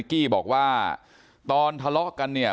กี้บอกว่าตอนทะเลาะกันเนี่ย